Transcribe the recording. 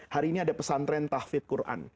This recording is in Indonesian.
hari ini ada pesantren tahfit quran